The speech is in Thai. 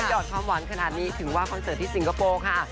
หอดความหวานขนาดนี้ถือว่าคอนเสิร์ตที่สิงคโปร์ค่ะ